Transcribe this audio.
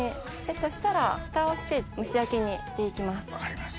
そしたらフタをして蒸し焼きにして行きます。